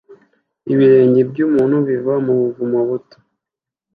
Ibirenge byumuntu biva mu buvumo buto